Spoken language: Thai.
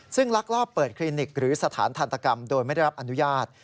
ซึ่งลักลอบเปิดคลินิกหรือสถานทันตกรรมโดยไม่ได้รับอนุญาต